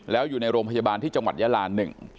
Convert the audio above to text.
แล้วอยู่ในโรงพยาบาลที่จังหวัดยาลา๑